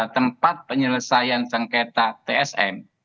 tempat penyelesaian sengketa tsm